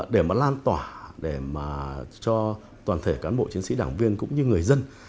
để mà lan tỏa để mà cho toàn thể cán bộ chiến sĩ đảng viên cũng như người dân